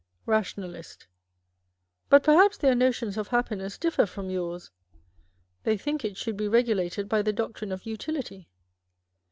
Rationalist. But perhaps their notions of happiness differ from yours. They think it should be regulated by the doctrine of Utility.